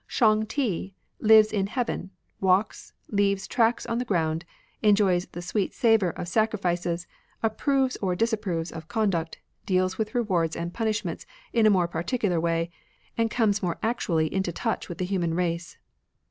Shang Ti lives in heaven, walks, leaves tracks on the ground, enjoys the sweet savour of sacri fices, approves or disapproves of conduct, deals with rewards and punishments in a more par ticular way, and comes more actually into touch with the human race.